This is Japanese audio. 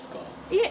いえ。